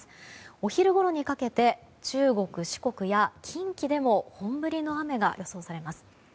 お昼ごろにかけて中国・四国や近畿でも本降りの雨が予想されます。